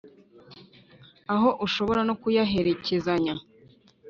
aho ushobora no kuyaherekezanya